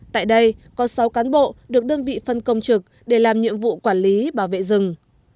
tại đây có sáu cán bộ được đơn vị phân công trực để làm nhiệm vụ quản lý bảo vệ rừng